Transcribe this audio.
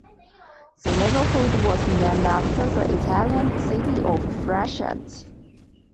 The neighbourhood was named after the Italian city of Frascati.